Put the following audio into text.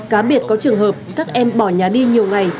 cá biệt có trường hợp các em bỏ nhà đi nhiều ngày